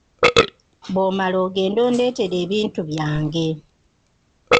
Bw’omala, ogende ondeetere ebintu byange.